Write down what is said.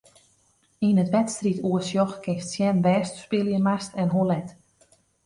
Yn it wedstriidoersjoch kinst sjen wêr'tst spylje moatst en hoe let.